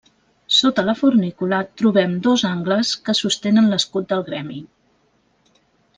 Sota la fornícula trobem dos angles que sostenen l'escut del gremi.